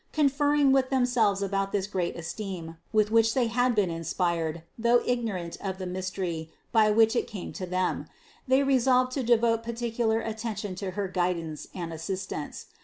Conferring with themselves about this great esteem, with which they had been in spired, though ignorant of the mystery by which it came to them, they resolved to devote particular attention to her guidance and assistance.